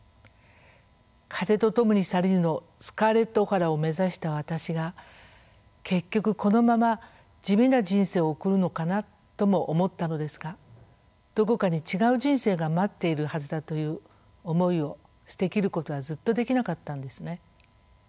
「風と共に去りぬ」のスカーレット・オハラを目指した私が結局このまま地味な人生を送るのかなとも思ったのですがどこかに違う人生が待っているはずだという思いを捨て切ることはずっとできなかったんですね。